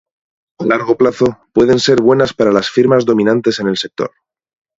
A largo plazo, pueden ser buenas para las firmas dominantes en el sector.